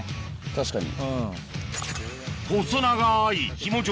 確かに。